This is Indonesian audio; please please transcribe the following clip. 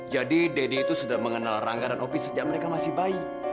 jadi daddy itu sudah mengenal rangga dan opi sejak mereka masih bayi